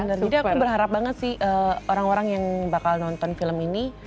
jadi aku berharap banget sih orang orang yang bakal nonton film ini